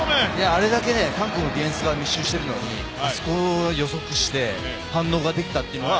あれだけ韓国のディフェンスが密集しているのにあそこを予測して反応ができたというのは